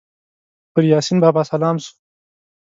پر یاسین بابا سلام سو